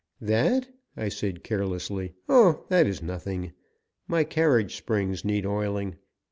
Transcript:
"That?" I said carelessly. "Oh, that is nothing. My carriage springs need oiling.